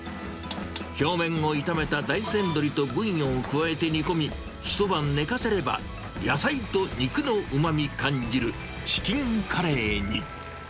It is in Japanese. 表面を炒めた大山鶏とブイヨンを加えて煮込み、一晩寝かせれば、野菜と肉のうまみ感じるチキンカレーに。